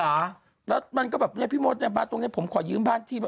แล้วมันก็แบบพี่มดมาตรงนี้ผมขอยืมบ้านที่